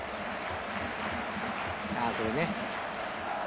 ああこれね。